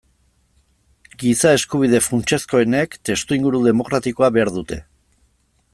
Giza-eskubide funtsezkoenek testuinguru demokratikoa behar dute.